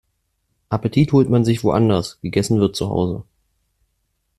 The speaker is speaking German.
Appetit holt man sich woanders, gegessen wird zu Hause.